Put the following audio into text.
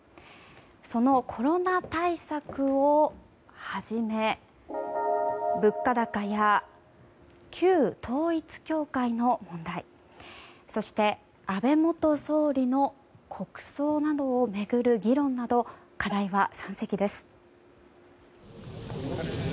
そのコロナ対策をはじめ物価高や旧統一教会の問題そして、安倍元総理の国葬などを巡る議論など課題は山積です。